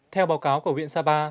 theo báo cáo của huyện sapa